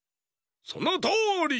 そのとおり！